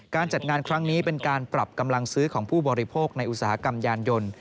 การจัดงานครั้งนี้เป็นการปรับกำลังซื้อของผู้บริโภคในอุตสาหกรรมยานยนต์